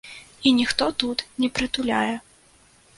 І ніхто тут не прытуляе.